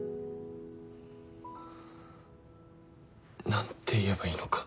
何て言えばいいのか。